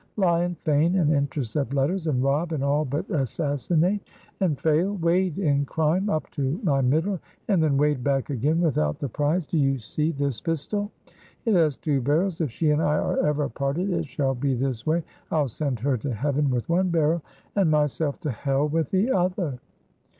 Lie and feign, and intercept letters, and rob and all but assassinate and fail? Wade in crime up to my middle, and then wade back again without the prize! Do you see this pistol? it has two barrels; if she and I are ever parted it shall be this way I'll send her to heaven with one barrel, and myself to hell with the other."